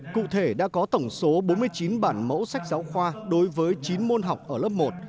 cụ thể đã có tổng số bốn mươi chín bản mẫu sách giáo khoa đối với chín môn học ở lớp một